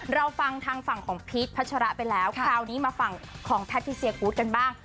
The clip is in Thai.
เราฟังทางฝั่งของพีชพัชระไปแล้วคราวนี้มาฝั่งของแพทิเซียกูธกันบ้าง